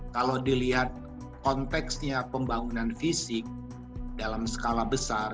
kalau dilihat konteksnya pembangunan fisik dalam skala besar